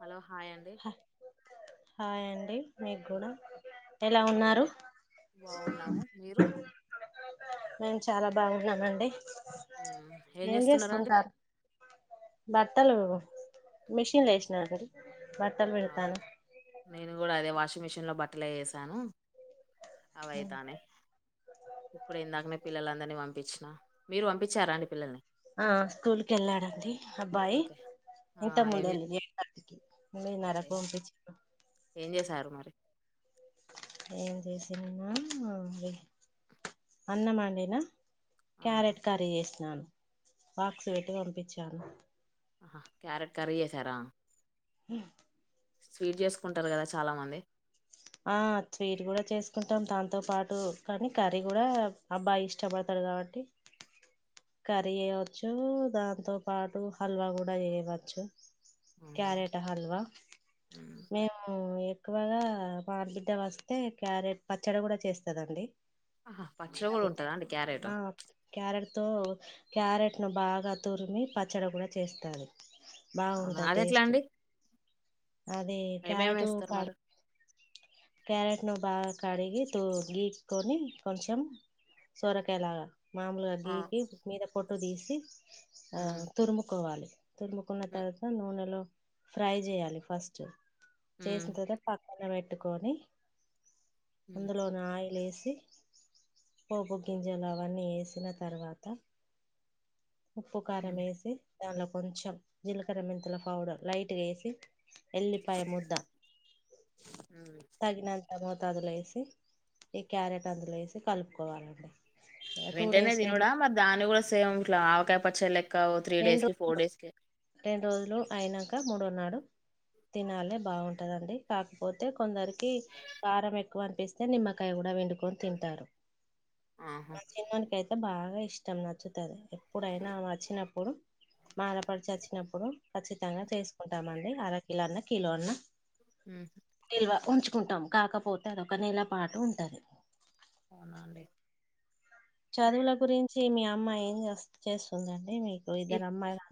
Hello hi అండి hi అండి మీకు కూడా ఏం- ఎలా ఓకే ఏం ఉన్నారు చే- బాగున్నాము మీరు చాలా బాగున్నానండి మ్మ్. ఏం చేస్తున్నారండి చేస్తుంటారు బట్టలు మిషన్ లో ఏషిన హరి బట్టలు ఆ, పెడతన్నా నేను కూడా అదే వాషింగ్ లో బట్టలు వేసాను అవైతాన్నాయి ఇప్పుడే ఇందాకనే పిల్లలందరినీ పంపించిన మీరు పంపించారా అండి పిల్లల్ని ఆ స్కూల్కి వెళ్ళాడండి అబ్బాయి ఓకే ఆ, ఇంతకు ఏం ముందు చే- వెళ్ళింది ఓకే ఎనిమిదిన్నరకు పంపించాను ఏం చేశారు మరి ఏం చేసిన్న అన్నం వండిన ఆహా క్యారెట్ కర్రీ చేసినాను బాక్స్ పెట్టి పంపించాను ఆ క్యారెట్ కర్రీ చేసారా హ స్వీట్ చేసుకుంటారు కదా చాలా మంది ఆ స్వీట్ కూడా చేసుకుంటాం దాతో పాటు కానీ కర్రీ కూడా అబ్బాయి ఇష్టపడతాడు కాబట్టి కర్రీ చేయవచ్చు దాంతో పాటు హల్వా కూడా చేయవచ్చు ఆహా క్యారెట్ హల్వా మ్మ్. మేము ఎక్కువగా మా ఆడబిడ్డ వస్తే క్యారెట్ పచ్చడి కూడా చేస్తదండి ఆహా పచ్చల కూడా ఉంటదా అండి క్యారెటు ఆ క్యారెట్ తో క్యారెట్ ను బాగా తురిమి పచ్చడి కూడా చేస్తారు. అవునా బాగుంటది అది ఎట్లా టేస్ట్ అండి అది ఏమేమి క్యారెట్ వేస్తారు క మరి క్యారెట్ ట్ ను బాగా కడిగి తూ గీక్కొని కొంచెం సొరకాయలాగా. మాములు ఆ అగి ఇర పొట్టు తీసి ఆ ఉమ్ తురుముకోవాలి. తురుముకున్న ఉమ్ తర్వాత నూనెలో ఫ్రై చేయాలి ఫస్ట్. ఉమ్ చేసిందిద ప అవి పెట్టుకొని ఉమ్ అందులో నా ఆయలేసి ఒక గింజలవన్నీ వేసిన తర్వాత త ఉప్పు ఉమ్ కారమేసి దానిలో కొంచెం జీలకర్ర మెంతుల పౌడర్ లైట్గా వేసి ఎల్లిపాయ ముద్ద తగినంతగా దిలో వేసి ఈ క్యారెట్ అందులో వేసి కలుపుకోవాలండి టూ వెంటనే డేస్ రెండు తినుడా మరి దాన్ని కూడా సేమ్ ఇట్లా పచ్చడ లెక్ రెండు రో రెండు రోజులు అయినాక మూడోన్నాడు తినాలి బాగుంటదండి కాకపోతే కొందరికి కి కారం ఎ క్కువ అనిపిస్తే నిమ్మకాయ కూడా పిండుకొని తింటారు. ఆహా మా చిన్నోని కైతే అ బాగా ఇష్టం నచ్చుతది, ఎప్పుడైనా ఆమ వచ్చినప్పు ప్పుడు మా ఆడపడుచు వచ్చినప్పుడు ఖచ్చితంగా చేసుకుంటామండి, అర కలో అన్న కిలో అన్న. నిల్వ ఉంచు కుంటాం కాకపోతే అదొక నెల పాటు ఉంటది. అవునా అండి చదువుల గురించి ఏమియా అమ్మా ఏం చేస్ చేస్తుందండి. టె మీకు ఇప్ ఇద్దరమ్మాయిలా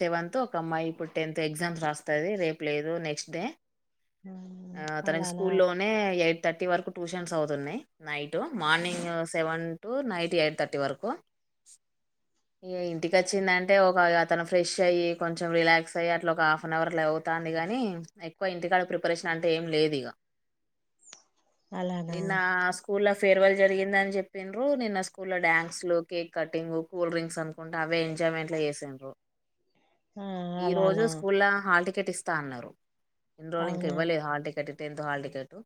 సెవెన్త్ ఒక అమ్మాయి ఇప్పుడు టెన్త్ ఎగ్జామ్స్ రాస్తాది రేపు లేదు నెక్స్ట్ డే ఆ తనకి అలానా స్కూల్ లోనే ఎ థర్టీ వరకు ట్యూషన్స్ అవుతున్నాయి night morning seven to night eight thirty వరకు ఇగ ఇంటికచ్చిందంటే ఒక అతను ఫ్రెష్ అయ్యి కొంచెం రిలాక్స్ అయ్యి అట్లా ఒక హాఫ్ నవర్ అట్ల అవుతాంది కానీ ఎక్కువ ఇంటికాడ ప్రిపరేషన్ అంటే ఏం లేదిగ అలానా నిన్న స్కూల్ ల ఫేర్వల్ జరిగిందని చెప్పిండ్రు నిన్న స్కూల్ లో డ్యాన్స్ లు కేక్ కటింగ్ కూల్ డ్రింక్స్ అనుకుంటే అవే ఎంజాయ్మెంట్ లో చేసిండ్రు ఆ ఈ రోజు అలానా స్కూల్ ల హాల్టి కెటిస్తా అన్నారు ఇన్ని రోల్ ఇంక అవునా ఇవ్వలే hall ticket tenth hall ticket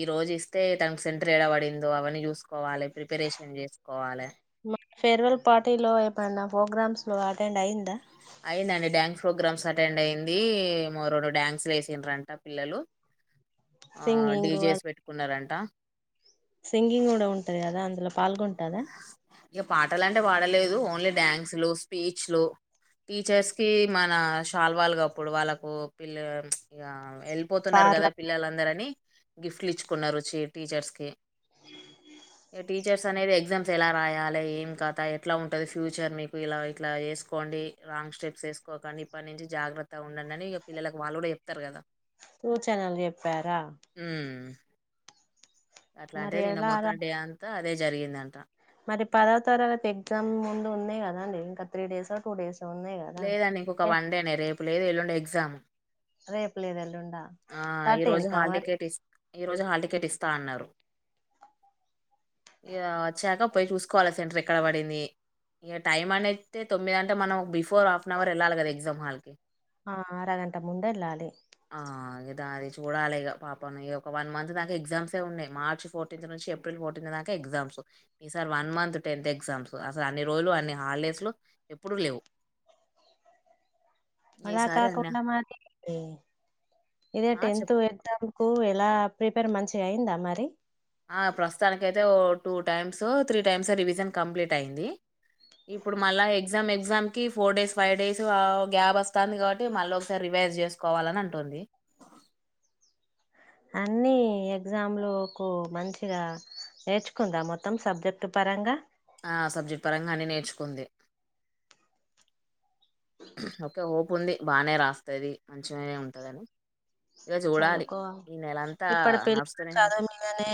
ఈ రోజు ఇస్తే తనకు సెంటర్ ఏడ పడిందో అవన్నీ చూసుకోవాలి ప్రిపరేషన్ చేసుకోవాలె మా ఫేర్వెల్ పార్టీలో ఏమన్నా ప్రోగ్రామ్స్ లో వా ఎట్టేంటయిందా అయిందండి డ్యాన్స్ ప్రోగ్రామ్స్ అటెండ్ అయిింది మ రెండు డ్యాన్స్లు వేసిన్రంట పిల్లలు ఆ సింగింగ్ డీజేస్ అది పెట్టుకున్నారండి త సింగింగ్ కూడా ఉంటది కదా అందులో పాల్గొంటుందా ఇక పాటలు అంటే పాడలేదు ఓన్లీ డ్యాన్స్లు స్పీచ్లు టీచర్స్కి మన షాల్ వాళ్ళగాప్పుడు వాళ్ళకు పిల్ల ఇక వెళ్ళిపోతున్నారు సార్ల కదా అందరని గిఫ్ట్లు ఇచ్చుకున్నారు టీచర్స్ కి టీచర్స్ అనేది ఎగ్జామ్స్ ఎలా రాయాలి ఏం కదా ఎట్లా ఉంటుంది ఫ్యూచర్ మీకు ఇలా ఇట్లా వేసుకోండి రాంగ్ స్టెప్స్ వేసుకోకండి ఇప్పటి నుంచి జాగ్రత్తగా ఉండండి అని ఇక పిల్లలకు వాళ్ళు కూడా చెప్తారు కదా చెనల్ చెప్పారా అట్లా మరి అంటే నేను ఎలా రా మొత్తం డే అంత అదే జరిగింది అంటా మరి పదవ తరాలతి ఎగ్జామ్ ముందు ఉన్నా కదాండి ఇంకా త్రీ డేస్ టూ డేస్ లేదండి ఇంకొ వండేనే రేపు లేదు ఎల్లుండే ఎగ్జామ్ రేపు లేదు ఎల్లుండి ఆ ఈ రోజు హాల్ టికెట్ ఇస్ ఈ రోజు హాల్ టికెట్ ఇస్తా అన్నారు ఇ వచ్చాక పోయి చూసుకోవాలి సెంటర్ ఎక్కడ పడింది ఇ టైం అనేతే తొమ్మిది అంటే మనం బిఫ బిఫోర్ హాఫ్ ఆన్ అవర్ వెళ్ళాలి కద ఎగ్జామ్ వాళ్ళకి ఆ అరగంట ముందే వెళ్ళాలి ఇదా అది చూడాలిక పాపం ఒక వన్ మంత్ దాకా ఎగ్జామ్స్ ఉన్నాయి మార్చ్ ఫోర్టీన్త్ నుంచి ఏప్రిల్ ఫోర్టీన్త్ దాకా ఎగ్జామ్స్ ఈసారి వన్ మంత్ టెన్త్ ఎగ్జామ్స్ అసలు అన్ని రోజులు అన్ని హాలిడేస్లు ఎప్పుడు లేవు ఈసారి అన్న అలాకాకుండా ఉన్న [inaudible] మాట ఇదే ఆ చెప్ టెన్త్ ఎగ్జాముకు ఎలా ప్రిపేర్ మంచిగా అయ్యిందా మరి ఆ ప్రస్తుతానికి అయితే ఓ two times three times revision complete అయ్యింది. ఇప్పుడు మళ్ళా ఎగ్జామ్ ఎగ్జామ్కి four days five days gap వస్తుంది కాబట్టి మళ్ళీ ఒకసారి రివైజ్ చేసుకోవాలని అంటుంది అన్ని ఎగ్జామ్లు కూ మంచిగా నేర్చుకుందా మొత్తం సబ్జెక్ట్ పరంగా ఆ సబ్జెక్ట్ పరంగా అన్ని నేర్చుకుంది అదొ ఉంది బానే రాస్తది మంచిగానే ఉంటాది చదువుకోవాల ఇప్పటి పిల్లలు నడుస్తూనే చదువు ఉంటది. మీదనే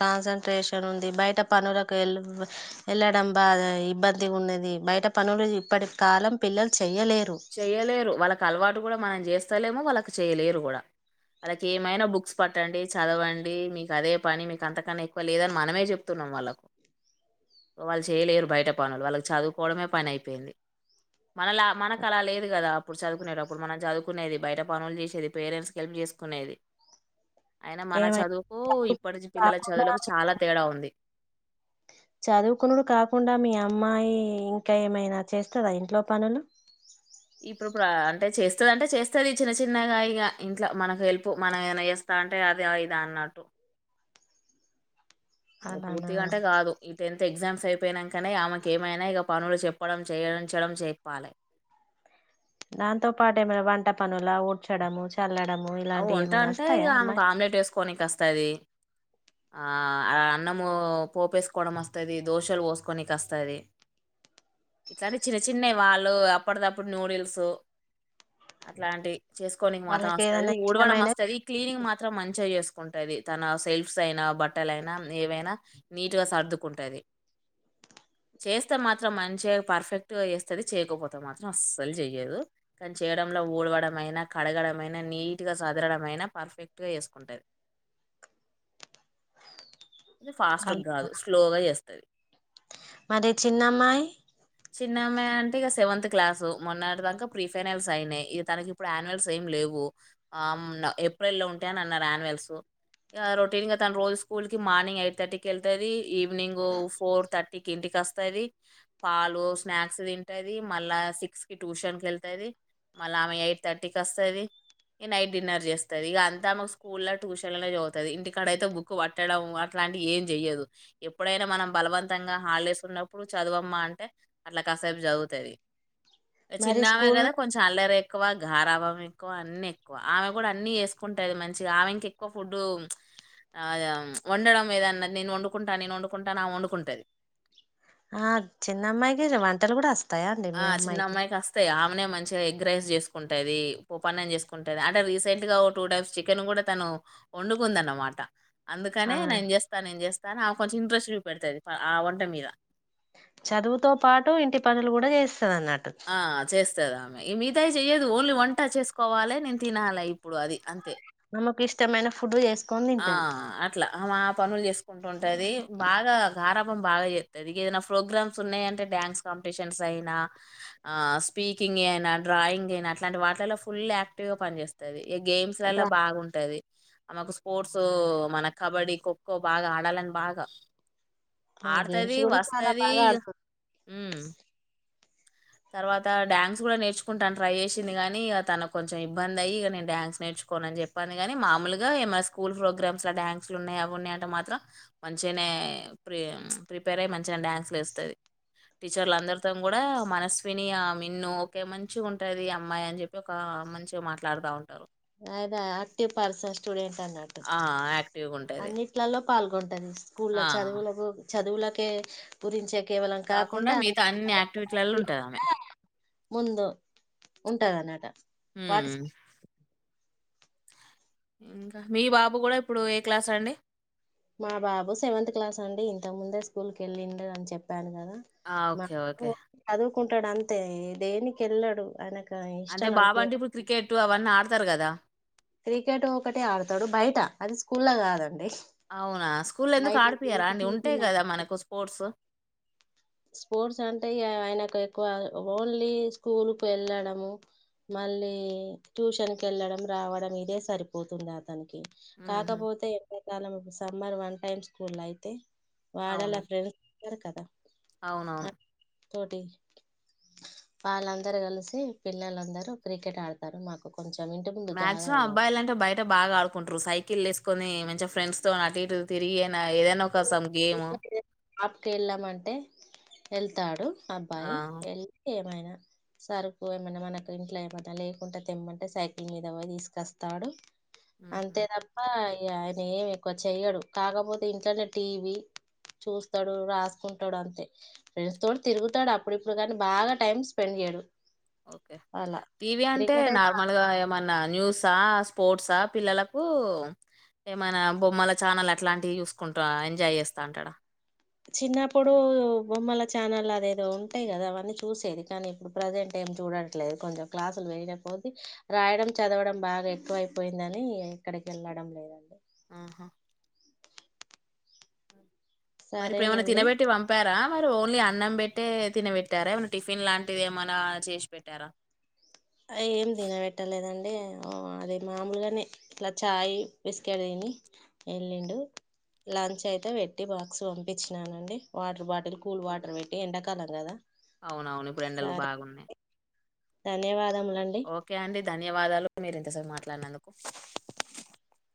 కాన్సన్ంట్రేషన్ ఉంది బయట పనులకు వెళ్ళడం బాగా ఇబ్బంది గా ఉన్నది బయట పనులు ఇప్పటి కాలం పిల్లలు చెయ్యలేరు చెయ్యలేరు వాళ్ళకి అలవాటు కూడా మనం చేస్తా లేము వాళ్ళు కు చేయాలేరు కూడా వాళ్ళకు ఏమైనా బుక్స్ పట్టండి చదవండి మీకు అదే పని మీకు అంతకన్నా ఎక్కువ లేదు అని మనమే చెబుతున్నాం వాళ్ళకు. వాళ్ళు చేయలేరు బయట పనులు వాళ్ళకు చదువుకొవడమే పని అయిపొయింది. మనల మనకు అలా లేదు కదా అప్పుడు చదువుకునేటప్పుడు. మనం చదువుకునేది బయట పనులు చేసేది పేరెంట్స్ కు హెల్ప్ చేసుకునేది అయినా మన ఏమై చదువుకు ఇప్పటి పిల్లల కాకుండా చదువులకు చాలా తేడా ఉంది చదువుకునుడు కాకుండా మీ అమ్మాయి ఇంకా ఏమైనా చేస్తదా ఇంట్లో పనులు చేస్తాది అంటే చేస్తాది చిన్న చిన్నగా ఇగ ఇంట్లో మనకు హెల్ప్ మనం ఏమన్నా చేస్తా అంటే అదా ఇదా అన్నట్టు ఇగ అలానా పూర్తిగా అంటే కాదు టిఫెన్ ఎగ్జామ్స్ అయిపోయినంకనే ఆమెకి ఏమైనా ఇగ పనులు చెప్పడం చేయించడం చెప్పాలే దాంతో పాటు ఏమైన వంట పనుల ఊడ్చడము చల్లడ్ అవ్ వంటా అంటే ఇగ ఆమెకు ఆమ్లెట్ ఏసుకోనికి వస్తది ఆ అన్నమూ పోపేసుకోవడం వస్తదీ దోశలు పోసుకోనికి ఒస్తది ఇట్లాంటి చిన్న చిన్నవి వాళ్ళు అప్పటిదప్పుడు న్యూడిల్స్ అట్లాంటివి చేసుకోనికి మాత్రం వాళ్ళకి వస్తది ది ఏదైనా ఊడవడం ఇష్టమైన వస్తదీ క్లీనింగ్ మాత్రం మంచిగ చేస్ ఉంటది తన సెల్ఫ్స్ అయినా బట్టల్ అయినా ఏవైనా నీట్గా సర్దుకుంటాది చేస్తే మాత్రం మంచిగ పర్ఫెక్ట్గా చేస్తది చేయకపోతే మాత్రం అస్సలు చెయ్యదు కానీ చేయడంలో ఊడవడం అయినా కడగడం అయిన నీట్ గా సదరడం మయినా పర్ఫెక్ట్ గా చేసుకుంటది అది ఫాస్ట్ వాళ్ళు గాదు స్లోగా చేస్తది మరి చిన్నమ్మాయి చిన్నమ్మాయి అంటే ఇగ సెవెంత్ క్లాసు మొన్నటి దాంకా ప్రీ ఫైనల్స్ అయినయి ఇగ తనకి ఇప్పుడు యాన్యువల్స్ ఏం లేవు ఆమ్న ఏప్రిల్లో ఉంటాయనీ అన్నారు యాన్నువల్సు ఇగా రొటీనేగా తను రోజు స్కూల్ కి మార్నింగ్ ఎయిట్ థర్టీ కీ ఏళ్తాదీ ఈవ్ మార్నింగూ ఫోర్ థా టికి ఇంటికి వస్తాదీ పాలూ స్నాక్స్ తింటాది మళ్ళా సిక్స్ కి ట్యూషన్ కి వెళ్తది మళ్ళా ఆమె ఎయిట్ థర్టీ కి వస్తాది ఇక నైట్ డిన్నర్ చేస్తాది ఇగా అంతా ఆమెక్ స్కూళ్లో ట్యూషన్లనే చదువుతాది ఇంటికాడ అయితే బుక్కు పట్టడం అట్లాంటియి ఏం చెయ్యదు ఎప్పుడైనా మనం బలవంతంగా హాల్డేస్ ఉన్నప్పుడు చదవమ్మా అంటే అట్ల కాసేపు చదువుతాది. మరి చిన్నామే స్కూల్ కదా కొంచెం అల్లరె ఎక్కువ గారాబం ఎక్కువ అన్ అన్నీ ఎక్కువ ఆమె గూడ అన్నీ ఏసుకుంటది మంచి గా ఆమె ఇంక ఎక్కువ ఫుడ్డూ చ్చ ఆ చ్చ వండడం ఏదన్న నేను వండుకుంటా నేను వండుకుంటా అనామే వండుకుంటది ఆ చిన్నమ్మాయికి ఇజ వంటలు గూడా ఒస్త ఆ చిన్నమ్మాయికి అస్తయి ఆమెనే మంచిగ ఎగ్ రైస్ చేసుకుంటదీ పోపన్నం చేసుకుంటది అంటే రీసెంట్ గా ఓ టూ టైమ్స్ చికెన్ గూడ తనూ వండుకుందన్నమాట ఆ అందుకనే నేన్ చేస్తా నేన్ చేస్త్ కానీ ఆమె కొంచెం ఇంట్రెస్ట్ చూపెడతది ప ఆ వంట మీద చదువుతో పాటు ఇంటి పనులు గూడ చేస్త తది అన్నట్టు స్తదామె ఇగ మిగతాయి చెయ్యదు ఓన్లీ వంట చేసుకోవాలే నేను తినాలె ఇప్పుడు అది అంతే కు ఇష్టమైన ఫుడ్ చేస్ ఆ అట్లా ఆమె ఆప్ పనులు చేసుకుంట ఉంటదీ బాగా గారాభం బాగా చేస్తది ఇగ ఏదనా ప్రోగ్రామ్స్ ఉన్నయంటే డ్యాన్స్ కాంపిటీషన్స్ అయినా ఆ స్పీకింగీ అయినా డ్రాయింగీ అయినా అట్లాంటి వాటిలల్లో ఫుల్ యాక్టివ్ గా పనిచేస్తది ఈ గేమ్స్ లల్లా డ్రా బాగుంటది ఆమెకు స్ స్పోర్ట్స్ ఊ మన కబడ్డీ ఖోఖో బాగా ఆడాలని బాగా ఆ గేమ్స్ ఆడతదీ కూడా చాలా వస్తదీ బాగా ఇగ ఆడుతుంది ఉమ్ తర్వాత డ్యాన్స్ కూడా నేర్చుకుంటాను ట్రై చేసింది గానీ ఇక తనకు కొంచెం ఇబ్బంది అయ్య ఇక నేను డ్యాన్స్ నేర్చుకోను అని చెప్పి అనగానే మామూలుగా ఏమ స్కూల్ ప్రోగ్రామ్స్ ల డాన్స్లు ఉన్నాయి అవున్నాయంటీ మాత్రం మంచిగానే ప్రి ప్రిపేర్ అయ్య మంచిగా డ్యాన్సులు వేస్తది టీచర్లు అందరితో కూడా మన స్నియా మిన్ను ఒకే మంచి ఉంటుది అమ్మాయి అని చెప్పి ఒక మంచిగా మాట్లాడుతా ఉంటారు అదా ఆక్టివ్ పార్స స్టూడెంట్ అన్నట్టు ఆ! యాక్టివ్‌గుంటది. అన్నిట్లలో పాల్గొడ్ ది స్కూల్ల్లో ఆ! చదువులకు చదువులకు కె పురించ చె కాకుండా మిగతా అన్ని యాక్టివిటీలలో ఉంటది ఆమె ముందు ఉంటదన్నట హ్మ్మ్ ఇంకా మీ బాబు కూడా ఇప్పుడు ఏ క్లాస్ అండి మా బాబు సెవెంత్ క్లాస్ అండి ఇంత ముందే స్కూల్ కెళ్ళిండే అని చెప్పాను కదా ఆ ఓకే ఓకే ఉంటాడు అంతే దేనికి వెళ్ళాడు ఆయనకు అంటే ఇష్టం బాబు అనిపి అంటే ఇప్పుడు క్రికెట్ అవన్నీ ఆడతారు కదా క్రికెట్ ఒకటే ఆడతాడు బయట అది స్కూల్ లో కాదండి అవునా స్కూల్ ఎందుకు బయట ఆడిపియరా ఫ్రెండ్స్ అండి చిన్న ఉంటాయి చిన్న కదా మనకు స్పోర్ట్స్ స్పోర్ట్స్ అంటే ఆయనకు ఎక్కువ ఓన్లీ స్కూల్కు వెళ్ళడము మళ్ళీ ట్యూషన్ కెళ్ళడం రావడం ఇదే సరిపోతుంది హుహు. కాకపోతే ఎండకాలం అ మరి వన్ టైమ్ స్కూల్ అయితే అవును. వాడలా ఫ్రెండ్స్ సక ఉ అవునవును తోటి వాళ్ళందరు కలిసి పిల్లలుందరూ క్రికెట్ ఆడతారు మాకు కొంచెం ఇంటి ముందు జాగా మాక్సిమం ఉన్నది అబ్బాయిల అంటే బయట బాగా ఆడుకుంటారు సైకిల్ వే కొన్ని మంచి ఫ్రెండ్స్ తో అటు ఇటు తిరిగి ఏదైనా ఒక స షాప్ కి వెళ్ళామంటే వెళ్తు తాడు ఆ! అబ్బాయి్ ఎ యినా సరుకు ఏమన్నా మనకు ఇంట్లో ఏమన్నా లేకుంటె తెిమ్మంటే సైకిల్ మీద పోయి తీసుకొస్తాడు హుహు. అంతే తప్పా ఆయన ఏమి ఎక్కువ చెయ్యడు కాకపోతే ఇంట్లనే టీవీ చూస్తాడు రాసుకుంటాడు అంతే ఫ్రెండ్స్ తోడు తిరుగుతాడు అప్పుడుప్పుడు కానీ బాగా టైమ్ స్పెండ్ చేయ్యాడు ఓకే టీవీ అంటే అయితే నార్మల్ ఆడతాడు గా ఏమన్నా న్యూస్ స్పోర్ట్సా పిల్లలకు ఏమైనా బొమ్మల ఛానల్ అట్లాంటివి చూసుకుంటా ఎంజాయ్ చేస్తా ఉంటాడా చిన్నప్పుడు బొమ్మల ఛానల్ అదేదో ఉంటాయి కదా అవి అని చూసేది కాని ప్రజెంట్ ఏం చూడట్లేదు కొంచెం క్లాసులు వెేయకపోతే రాయడం చదవడం బాగా ఎక్కువ అయిపోయిందని ఇక్కడికి వెళ్ళడం ఆహా అ మరి ఇప్పుడు ఏమైనా సరేనండి తినబెట్టి పంపారా మరి ఓన్లీ అన్నం పెట్టే తినబెట్టారా ఏమనా టిఫిన్ లాంటిది ఏమనా చేసి పెట్టారా అ ఏం తినబట్టలేదండి అంటే అదే మామూలుగానే ఇట్లా చాయ్ బిస్కెట్ తిని వెళ్ళిండు లంచ్ అయితే పెట్టి బాక్స్ పంపించినానుండి వాటర్ బాటిల్ కూల్ వాటర్ పెట్టి ఎండాకాలం కదా అవునవును ఇప్పుడు ఎండలు బాగున్నాయి ధన్యవాదములు ఓకే అండి ధన్యవాదాలు మీరు ఇంతసేపూ మాట్లాడినందుకు